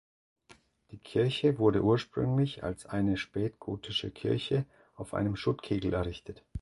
Die Kirche wurde ursprünglich als eine spätgotische Kirche auf einem Schuttkegel errichtet.